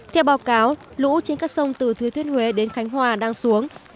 theo báo cáo lũ trên các sông từ thứ thuyết huế đến khánh hòa đang xuống